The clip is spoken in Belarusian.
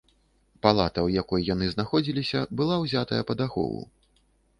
Палата, у якой яны знаходзіліся, была ўзятая пад ахову.